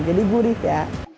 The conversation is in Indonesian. jadi gurih ya